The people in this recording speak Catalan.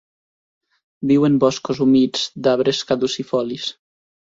Viu en boscos humits d'arbres caducifolis.